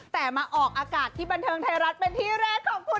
แต่มาออกอากาศที่บันเทิงไทยรัฐเป็นที่แรกของคุณ